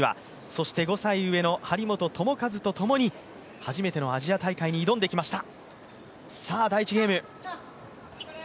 そして５歳上の張本智和とともに初めてのアジア大会に挑んでいきました。